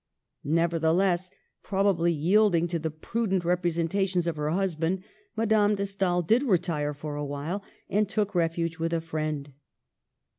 Nevertheless, probably yielding to the prudent representations of her husband, Madame de Stael did retire for .a while, and took refuge with a friend.